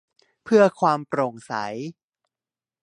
เพื่อความโปร่งใส